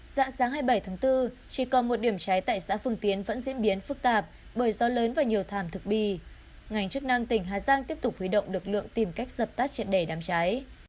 dạng sáng hai mươi bảy tháng bốn chỉ còn một điểm cháy tại xã phương tiến vẫn diễn biến phức tạp bởi do lớn và nhiều thảm thực bì ngành chức năng tỉnh hà giang tiếp tục huy động lực lượng tìm cách dập tắt triển đẻ đám cháy